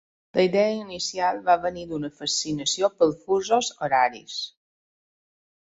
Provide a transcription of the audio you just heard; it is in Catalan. La idea inicial va venir d'una fascinació pels fusos horaris.